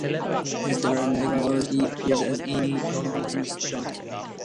His daughter Meg Mazursky appears as Amy, one of Morrison's daughters.